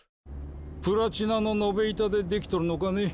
プラチナの延べ板で出来とるのかね？